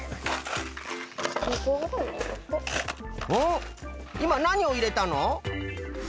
いまなにをいれたの？